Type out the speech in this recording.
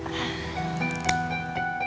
aku akan bimbing